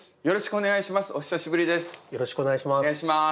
お願いします。